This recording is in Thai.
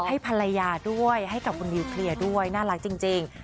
ให้ภรรยาด้วยให้กับคุณนิวเคลียร์ด้วยน่ารักจริง